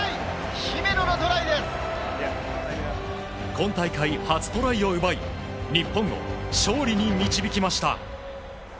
今大会初トライを奪い日本を勝利に導きました。